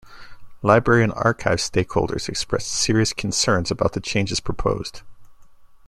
Library and Archives stakeholders expressed serious concerns about the changes proposed.